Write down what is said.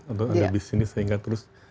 untuk ada bisnis sehingga terus